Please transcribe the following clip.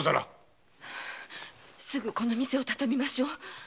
すぐこの店を畳みましょう。